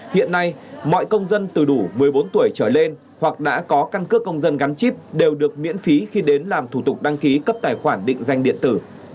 hiện nay mọi công dân từ đủ một mươi bốn tuổi trở lên hoặc đã có căn cước công dân gắn chip đều được miễn phí khi đến làm thủ tục đăng ký cấp tài khoản định danh điện tử